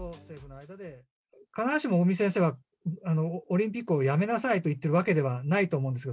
必ずしも尾身先生は、オリンピックをやめなさいと言ってるわけではないと思うんですよ。